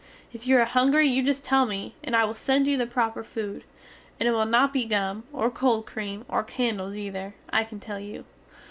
If you are hungry you just tell me, and I will send you the proper food; and it will not be gum, or cold cream or candels ether, I can tell you.